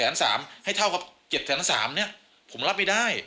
๗๓๐๐๐๐บาทให้เท่ากับ๗๐๓๐๐๐บาทเนี่ยผมรับไม่ได้